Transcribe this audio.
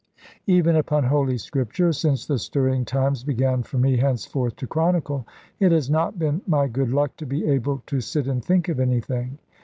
Even upon Holy Scripture (since the stirring times began for me henceforth to chronicle), it has not been my good luck to be able to sit and think of anything.